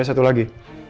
ada satu lagi